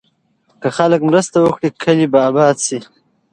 که خلک مرسته وکړي، کلي به اباد شي.